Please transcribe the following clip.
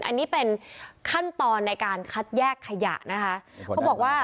อันนี้เป็นขั้นตอนในการคัดแยกขยะนะคะ